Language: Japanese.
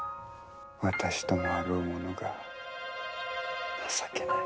私ともあろうものが情けない。